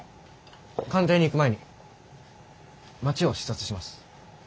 官邸に行く前に街を視察します。